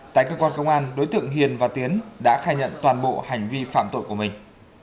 tại cơ quan công an đối tượng hiền và tiến đã khai nhận toàn bộ hành vi phạm tội của mình